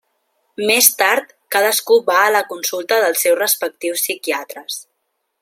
Més tard, cadascú va a la consulta dels seus respectius psiquiatres.